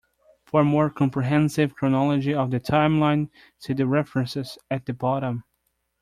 For a more comprehensive chronology of the timeline, see the references at the bottom.